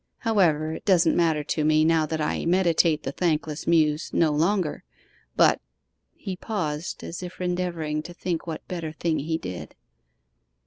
However, it doesn't matter to me now that I "meditate the thankless Muse" no longer, but....' He paused, as if endeavouring to think what better thing he did.